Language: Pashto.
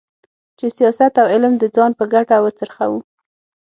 چې سیاست او علم د ځان په ګټه وڅرخوو.